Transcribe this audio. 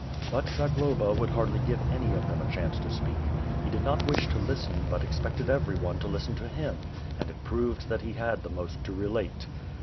But Zagloba would hardly give any of them a chance to speak. He did not wish to listen but expected everyone to listen to him; and it proved that he had the most to relate.